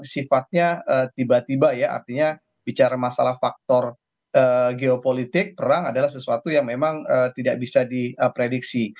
sifatnya tiba tiba ya artinya bicara masalah faktor geopolitik perang adalah sesuatu yang memang tidak bisa diprediksi